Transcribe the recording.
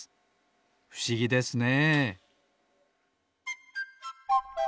ふしぎですね。